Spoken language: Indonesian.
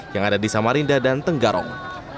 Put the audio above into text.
yang ada di samarinda dan tenggarong